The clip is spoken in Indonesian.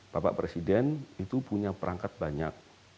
bapak presiden itu punya perangkat banyak